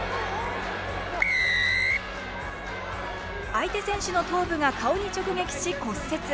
相手選手の頭部が顔に直撃し骨折。